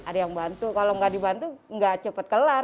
ada yang bantu kalau nggak dibantu nggak cepat kelar